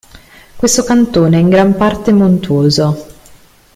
Questo cantone è in gran parte montuoso.